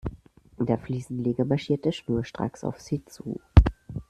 Der Fliesenleger marschierte schnurstracks auf sie zu.